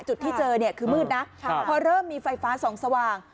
จุดที่เจอเนี่ยคือมืดนะพอเริ่มมีไฟฟ้าส่องสว่าง